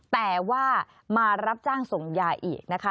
แต่ว่ามารับจ้างส่งยาอีกนะคะ